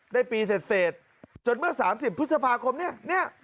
ได้ปีเศษจนเมื่อ๓๐พฤษภาคมนี่นี่